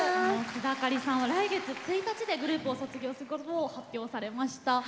須田亜香里さんは来月１日でグループを卒業することを発表されました。